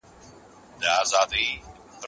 ناڅاپه غوسه د اړیکو خرابوالي سبب ګرځي.